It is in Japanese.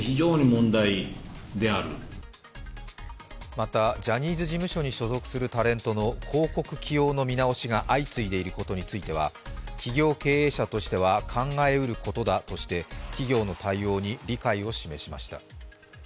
また、ジャニーズ事務所に所属するタレントの広告起用の見直しが相次いでいることについては、企業経営者としては考え得ることだとして企業の対応に理解を示しました。